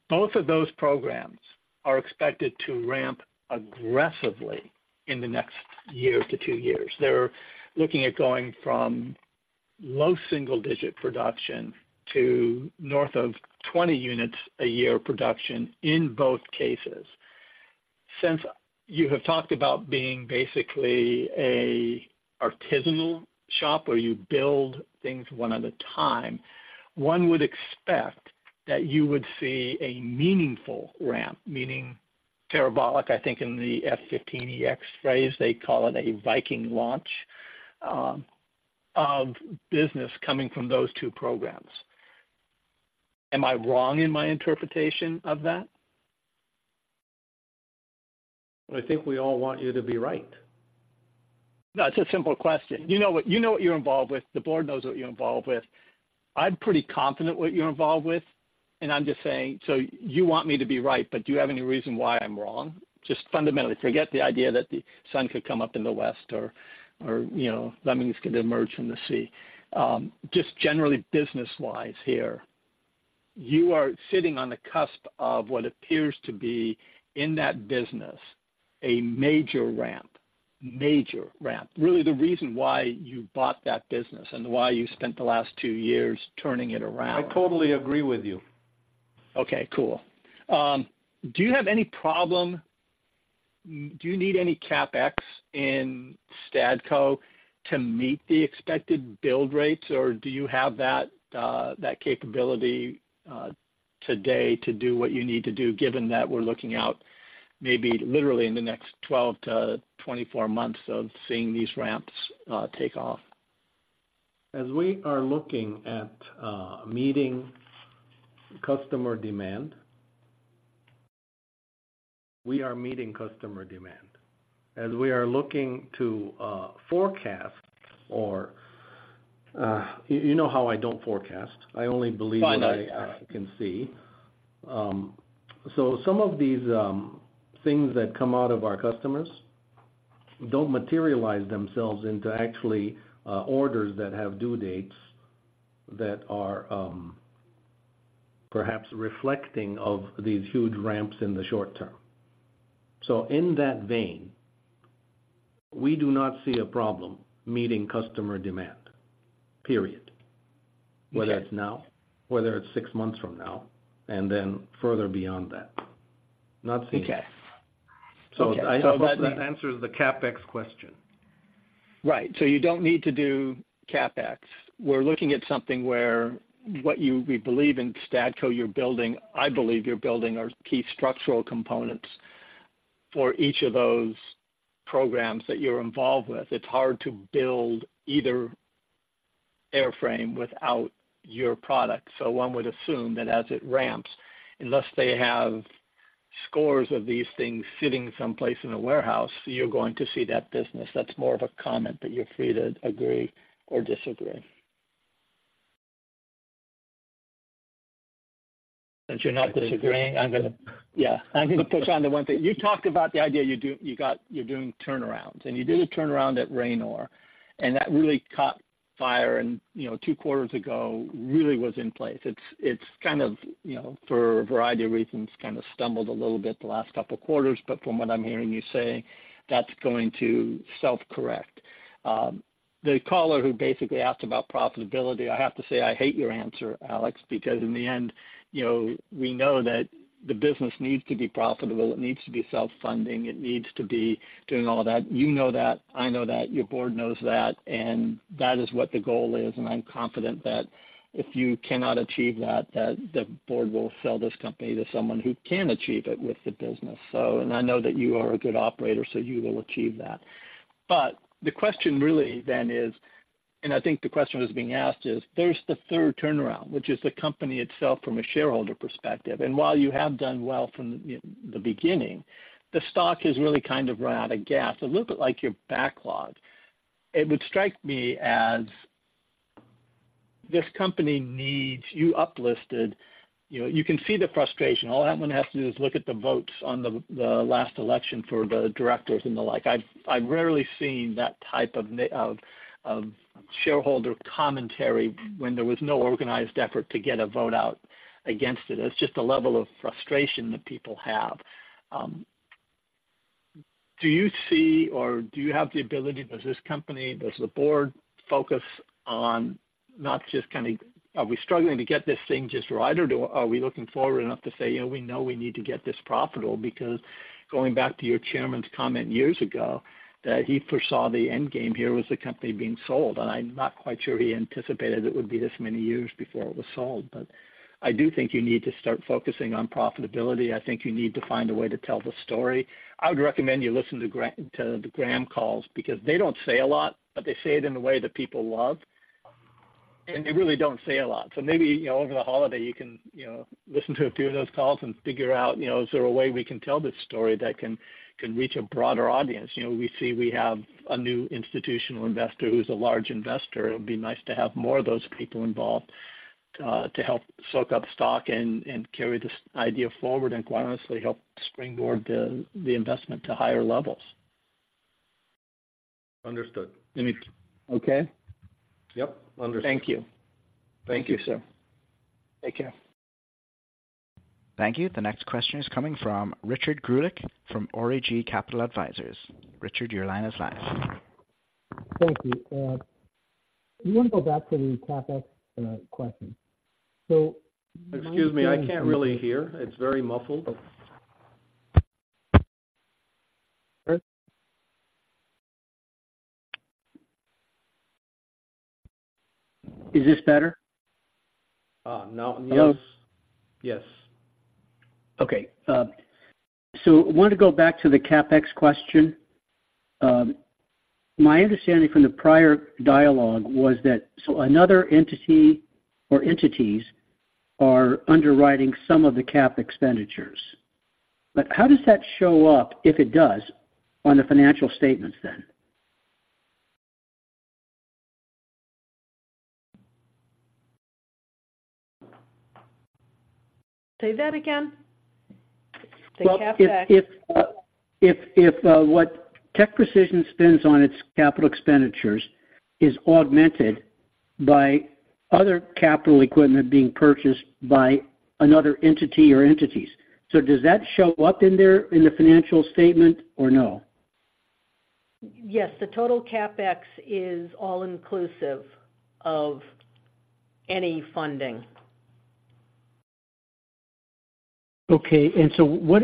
Both of those programs are expected to ramp aggressively in the next year to two years. They're looking at going from low single digit production to north of 20 units a year production in both cases. Since you have talked about being basically a artisanal shop, where you build things one at a time, one would expect that you would see a meaningful ramp, meaning parabolic. I think in the F-15EX phase, they call it a Viking launch of business coming from those two programs. Am I wrong in my interpretation of that? I think we all want you to be right. No, it's a simple question. You know what, you know what you're involved with, the board knows what you're involved with. I'm pretty confident what you're involved with, and I'm just saying, so you want me to be right, but do you have any reason why I'm wrong? Just fundamentally, forget the idea that the sun could come up in the west or, you know, lemmings could emerge from the sea. Just generally business-wise here, you are sitting on the cusp of what appears to be, in that business, a major ramp. Major ramp. Really, the reason why you bought that business and why you spent the last two years turning it around. I totally agree with you. Okay, cool. Do you need any CapEx in Stadco to meet the expected build rates, or do you have that that capability today to do what you need to do, given that we're looking out maybe literally in the next 12-24 months of seeing these ramps take off? As we are looking at meeting customer demand, we are meeting customer demand. As we are looking to forecast or, you know how I don't forecast. Fine. I only believe what I can see. So some of these things that come out of our customers don't materialize themselves into actually orders that have due dates that are perhaps reflecting of these huge ramps in the short term. So in that vein, we do not see a problem meeting customer demand, period. Okay. Whether it's now, whether it's six months from now, and then further beyond that. Not seeing it. Okay. I hope that answers the CapEx question. Right. So you don't need to do CapEx. We're looking at something where, what you, we believe in Stadco, you're building, I believe you're building are key structural components for each of those programs that you're involved with. It's hard to build either airframe without your product, so one would assume that as it ramps, unless they have scores of these things sitting someplace in a warehouse, you're going to see that business. That's more of a comment, but you're free to agree or disagree. Since you're not disagreeing, I'm gonna, yeah, I'm gonna push on the one thing. You talked about the idea, you do, you got—you're doing turnarounds, and you did a turnaround at Ranor, and that really caught fire and, you know, two quarters ago, really was in place. It's kind of, you know, for a variety of reasons, kind of stumbled a little bit the last couple quarters, but from what I'm hearing you say, that's going to self-correct. The caller who basically asked about profitability, I have to say I hate your answer, Alex, because in the end, you know, we know that the business needs to be profitable, it needs to be self-funding, it needs to be doing all that. You know that, I know that, your board knows that, and that is what the goal is, and I'm confident that if you cannot achieve that, that the board will sell this company to someone who can achieve it with the business. So, and I know that you are a good operator, so you will achieve that. But the question really then is, and I think the question that was being asked is, there's the third turnaround, which is the company itself from a shareholder perspective. And while you have done well from the beginning, the stock has really kind of run out of gas. A little bit like your backlog. It would strike me as this company needs you uplisted. You know, you can see the frustration. All anyone has to do is look at the votes on the last election for the directors and the like. I've rarely seen that type of shareholder commentary when there was no organized effort to get a vote out against it. It's just a level of frustration that people have. Do you see or do you have the ability, does this company, does the board focus on not just kind of, are we struggling to get this thing just right, or do, are we looking forward enough to say: You know, we know we need to get this profitable? Because going back to your chairman's comment years ago, that he foresaw the end game here was the company being sold, and I'm not quite sure he anticipated it would be this many years before it was sold. But I do think you need to start focusing on profitability. I think you need to find a way to tell the story. I would recommend you listen to the Graham calls, because they don't say a lot, but they say it in a way that people love.... And they really don't say a lot. So maybe, you know, over the holiday, you can, you know, listen to a few of those calls and figure out, you know, is there a way we can tell this story that can, can reach a broader audience? You know, we see we have a new institutional investor who's a large investor. It would be nice to have more of those people involved, to help soak up stock and, and carry this idea forward, and quite honestly, help springboard the, the investment to higher levels. Understood. Let me-- Okay? Yep, understood. Thank you. Thank you, sir. Take care. Thank you. The next question is coming from Richard Greulich from REG Capital Advisors. Richard, your line is live. Thank you. Do you want to go back to the CapEx question? So- Excuse me, I can't really hear. It's very muffled. Is this better? No. Yes. Okay. So I wanted to go back to the CapEx question. My understanding from the prior dialogue was that so another entity or entities are underwriting some of the CapEx expenditures. But how does that show up, if it does, on the financial statements then? Say that again. The CapEx. If what TechPrecision spends on its capital expenditures is augmented by other capital equipment being purchased by another entity or entities. So does that show up in there, in the financial statement or no? Yes, the total CapEx is all inclusive of any funding. Okay. And so what,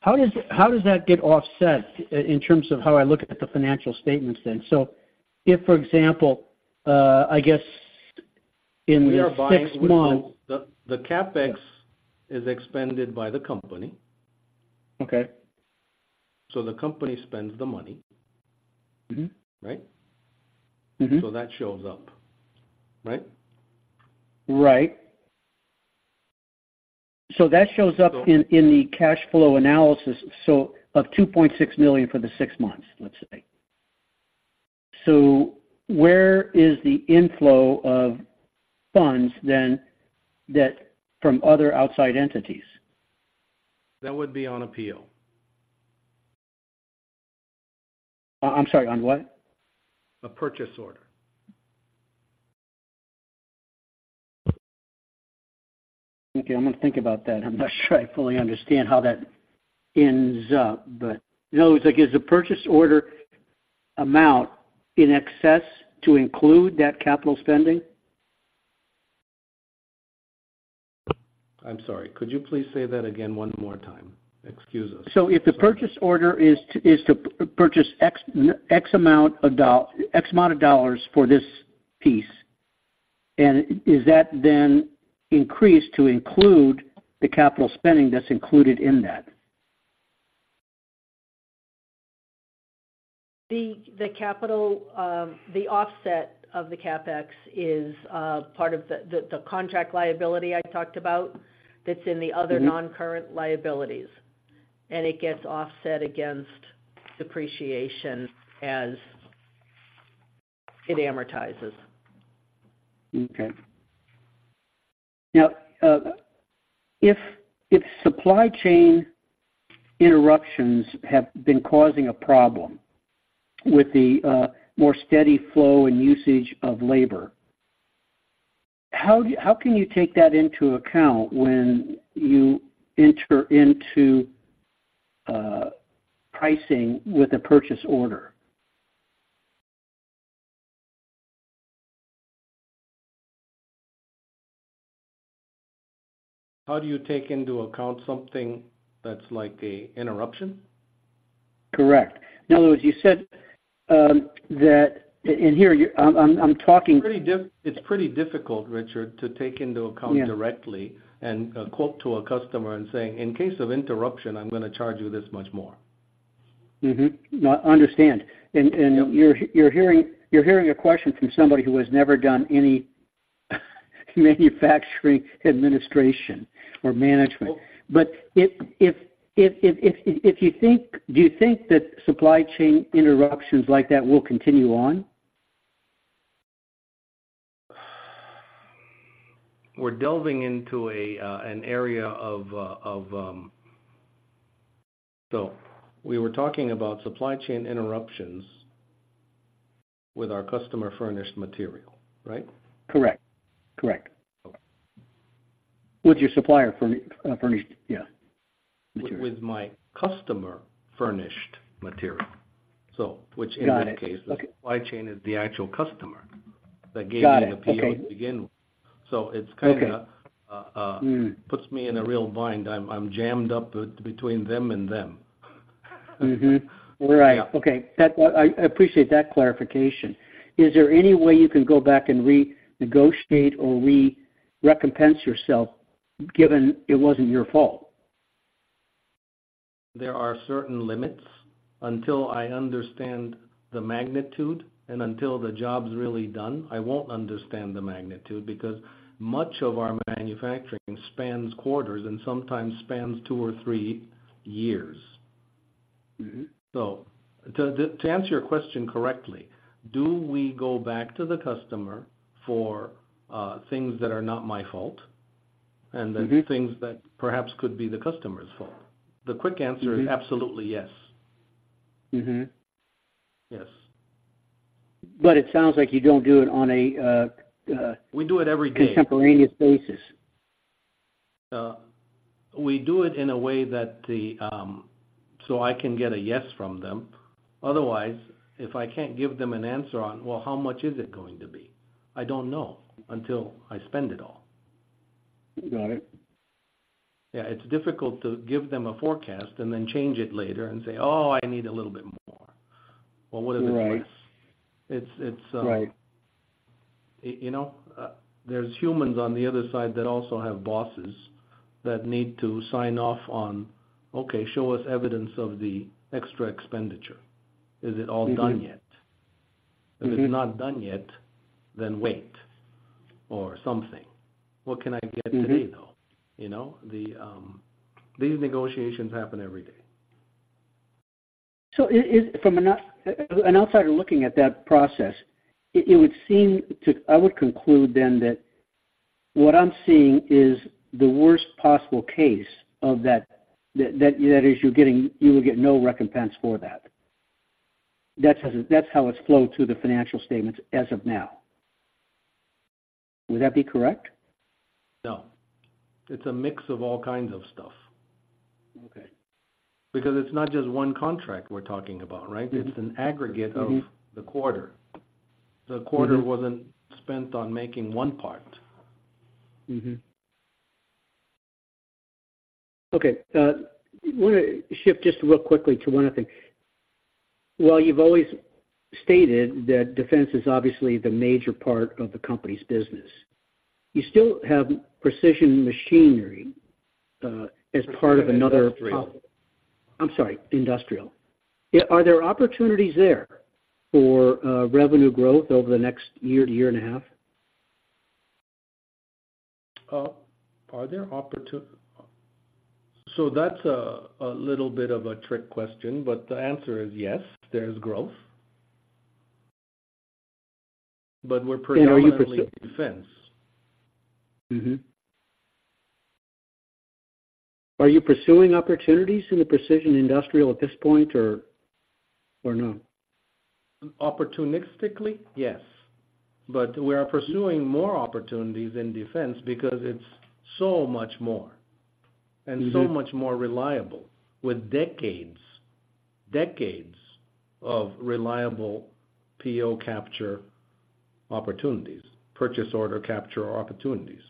how does that get offset in terms of how I look at the financial statements then? So if, for example, I guess, in the six months- The CapEx is expended by the company. Okay. So the company spends the money. Mm-hmm. Right? Mm-hmm. So that shows up, right? Right. So that shows up in the cash flow analysis, so of $2.6 million for the six months, let's say. So where is the inflow of funds then, that from other outside entities? That would be on a PO. I'm sorry, on what? A purchase order. Okay, I'm gonna think about that. I'm not sure I fully understand how that ends up, but... In other words, like, is the purchase order amount in excess to include that capital spending? I'm sorry. Could you please say that again one more time? Excuse us. So if the purchase order is to purchase an exact amount of dollars for this piece, and is that then increased to include the capital spending that's included in that? The capital offset of the CapEx is part of the contract liability I talked about that's in the other- Mm-hmm. - noncurrent liabilities, and it gets offset against depreciation as it amortizes. Okay. Now, if supply chain interruptions have been causing a problem with the more steady flow and usage of labor, how can you take that into account when you enter into pricing with a purchase order? How do you take into account something that's like a interruption? Correct. In other words, you said that, and here you're... I'm talking- It's pretty difficult, Richard, to take into account- Yeah directly and quote to a customer and saying, "In case of interruption, I'm gonna charge you this much more. Mm-hmm. No, understand. And you're hearing a question from somebody who has never done any manufacturing, administration, or management. But if you think—do you think that supply chain interruptions like that will continue on? So we were talking about supply chain interruptions with our customer-furnished material, right? Correct. Correct. Okay. With your supplier furnished, yeah, material. With my Customer-Furnished Material. So which in that case- Got it. Okay. - the supply chain is the actual customer that gave me- Got it. Okay the PO to begin with. So it's kinda- Okay. - uh, uh- Mm puts me in a real bind. I'm jammed up between them and them. Mm-hmm. Right. Yeah. Okay. That, I appreciate that clarification. Is there any way you can go back and renegotiate or recompense yourself, given it wasn't your fault? There are certain limits until I understand the magnitude, and until the job's really done, I won't understand the magnitude, because much of our manufacturing spans quarters and sometimes spans two or three years. Mm-hmm. So, to answer your question correctly, do we go back to the customer for things that are not my fault? Mm-hmm. and then things that perhaps could be the customer's fault? The quick answer is- Mm-hmm. -absolutely, yes. Mm-hmm. Yes. But it sounds like you don't do it on a, We do it every day. Contemporaneous basis. We do it in a way that the, so I can get a yes from them. Otherwise, if I can't give them an answer on, well, how much is it going to be? I don't know until I spend it all. Got it. Yeah, it's difficult to give them a forecast and then change it later and say, "Oh, I need a little bit more." Well, what is the price? Right. It's Right. You know, there's humans on the other side that also have bosses that need to sign off on, "Okay, show us evidence of the extra expenditure. Is it all done yet? Mm-hmm. If it's not done yet, then wait or something. What can I get today, though? Mm-hmm. You know, these negotiations happen every day. So, from an outsider looking at that process, it would seem, I would conclude then that what I'm seeing is the worst possible case of that, that is you're getting you will get no recompense for that. That's how it's flowed through the financial statements as of now. Would that be correct? No. It's a mix of all kinds of stuff. Okay. Because it's not just one contract we're talking about, right? Mm-hmm. It's an aggregate of- Mm-hmm -the quarter. Mm-hmm. The quarter wasn't spent on making one part. Mm-hmm. Okay, I wanna shift just real quickly to one other thing. While you've always stated that defense is obviously the major part of the company's business, you still have precision machinery, as part of another- Industrial. I'm sorry, industrial. Are there opportunities there for revenue growth over the next year to year and a half? So that's a little bit of a trick question, but the answer is yes, there's growth. But we're predominantly defense. Mm-hmm. Are you pursuing opportunities in the precision industrial at this point, or, or no? Opportunistically, yes. But we are pursuing more opportunities in defense because it's so much more- Mm-hmm and so much more reliable, with decades, decades of reliable PO capture opportunities, purchase order capture opportunities.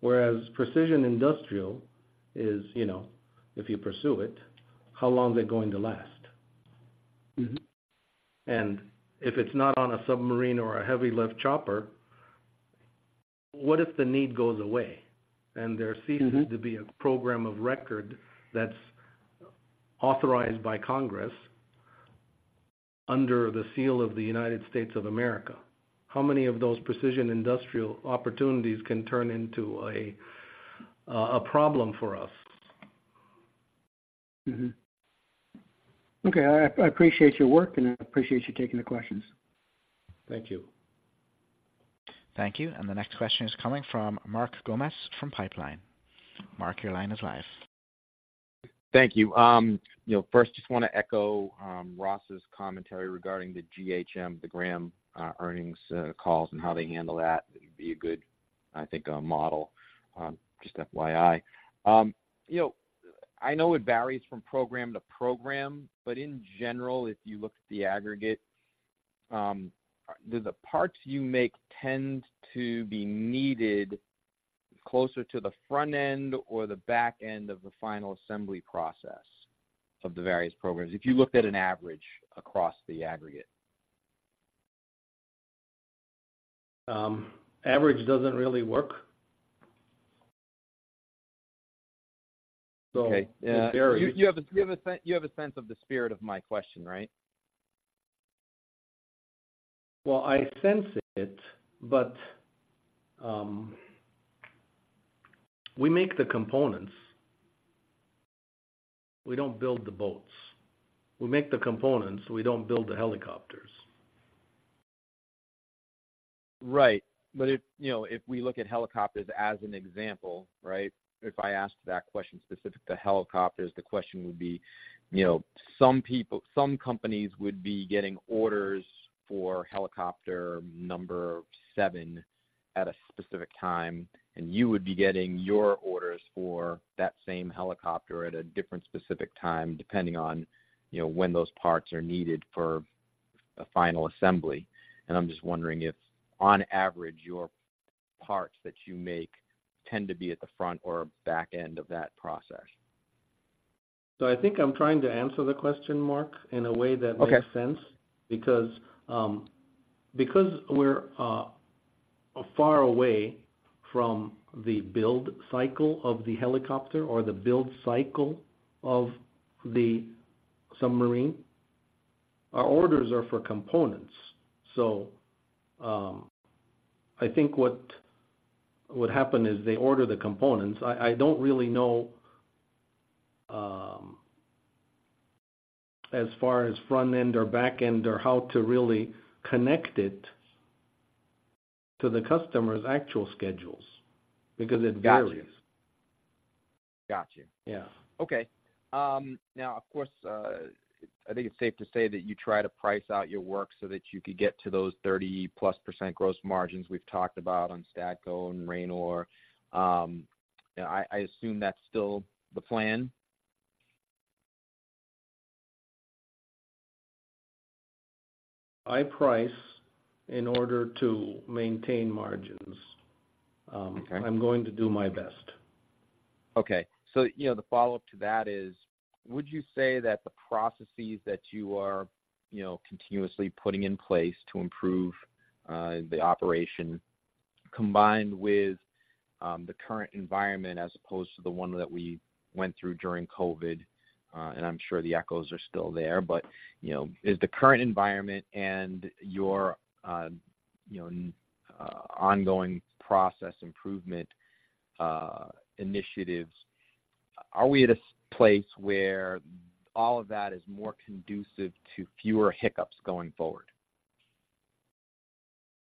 Whereas precision industrial is, you know, if you pursue it, how long is it going to last? Mm-hmm. If it's not on a submarine or a heavy-lift chopper, what if the need goes away, and there— Mm-hmm -ceases to be a program of record that's authorized by Congress under the seal of the United States of America? How many of those precision industrial opportunities can turn into a problem for us? Mm-hmm. Okay, I, I appreciate your work, and I appreciate you taking the questions. Thank you. Thank you. The next question is coming from Mark Gomes, from Pipeline. Mark, your line is live. Thank you. You know, first, just want to echo Ross's commentary regarding the GHM, the Graham earnings calls and how they handle that. It'd be a good, I think, model just FYI. You know, I know it varies from program to program, but in general, if you look at the aggregate, do the parts you make tend to be needed closer to the front end or the back end of the final assembly process of the various programs, if you looked at an average across the aggregate? Average doesn't really work. Okay. Yeah, it varies. You have a sense of the spirit of my question, right? Well, I sense it, but we make the components, we don't build the boats. We make the components, we don't build the helicopters. Right. But if, you know, if we look at helicopters as an example, right? If I asked that question specific to helicopters, the question would be, you know, some companies would be getting orders for helicopter number seven at a specific time, and you would be getting your orders for that same helicopter at a different specific time, depending on, you know, when those parts are needed for a final assembly. And I'm just wondering if, on average, your parts that you make tend to be at the front or back end of that process. I think I'm trying to answer the question, Mark, in a way that- Okay Makes sense, because we're far away from the build cycle of the helicopter or the build cycle of the submarine. Our orders are for components, so I think what happened is they order the components. I don't really know as far as front end or back end or how to really connect it to the customer's actual schedules, because it varies. Got you. Yeah. Okay. Now, of course, I think it's safe to say that you try to price out your work so that you could get to those 30%+ gross margins we've talked about on Stadco and Ranor. I assume that's still the plan? I price in order to maintain margins. Okay. I'm going to do my best. Okay. So, you know, the follow-up to that is, would you say that the processes that you are, you know, continuously putting in place to improve the operation, combined with the current environment as opposed to the one that we went through during COVID, and I'm sure the echoes are still there, but, you know, is the current environment and your, you know, ongoing process improvement initiatives, are we at a place where all of that is more conducive to fewer hiccups going forward?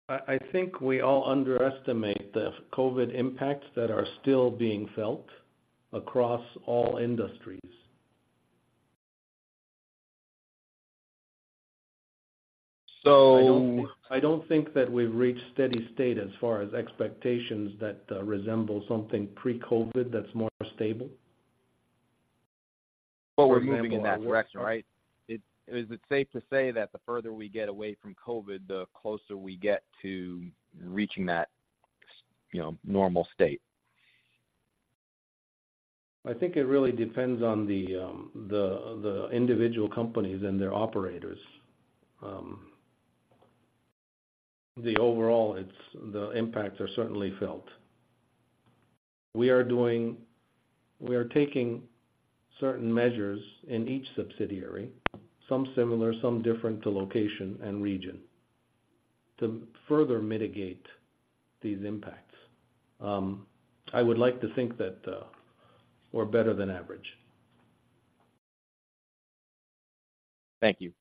I think we all underestimate the COVID impacts that are still being felt across all industries. So- I don't think that we've reached steady state as far as expectations that resemble something pre-COVID that's more stable. But we're moving in that direction, right? It is safe to say that the further we get away from COVID, the closer we get to reaching that, you know, normal state? I think it really depends on the, the individual companies and their operators. The overall, it's the impacts are certainly felt. We are doing... We are taking certain measures in each subsidiary, some similar, some different to location and region, to further mitigate these impacts. I would like to think that, we're better than average. Thank you.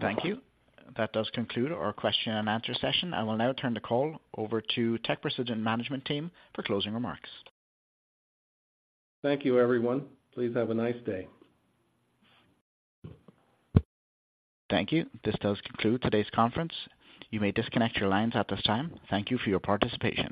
Thank you. That does conclude our question-and-answer session. I will now turn the call over to TechPrecision management team for closing remarks. Thank you, everyone. Please have a nice day. Thank you. This does conclude today's conference. You may disconnect your lines at this time. Thank you for your participation.